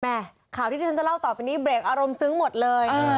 ข่าวที่ที่ฉันจะเล่าต่อไปนี้เบรกอารมณ์ซึ้งหมดเลย